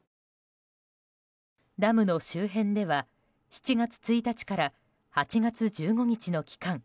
ダムの周辺では７月１日から８月１５日の期間